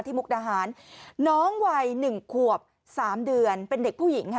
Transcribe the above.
มุกดาหารน้องวัย๑ขวบ๓เดือนเป็นเด็กผู้หญิงค่ะ